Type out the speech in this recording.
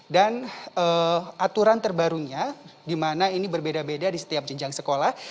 dan aturan terbarunya di mana ini berbeda beda di setiap jenjang sekolah